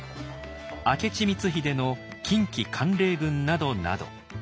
明智光秀の近畿管領軍などなど。